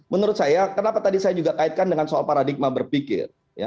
menurut saya kenapa tadi saya juga kaitkan dengan soal paradigma berpikir